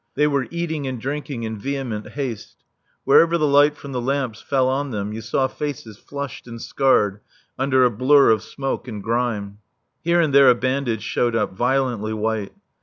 They were eating and drinking in vehement haste. Wherever the light from the lamps fell on them, you saw faces flushed and scarred under a blur of smoke and grime. Here and there a bandage showed up, violently white.